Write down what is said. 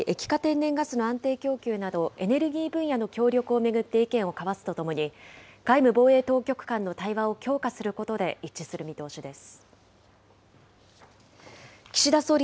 ＬＮＧ・液化天然ガスの安定供給など、エネルギー分野の協力を巡って意見を交わすとともに、外務・防衛当局間の対話を強化することで、一致する見通しです。